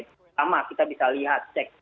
pertama kita bisa lihat cek